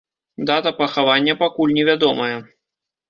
Дата пахавання пакуль невядомая.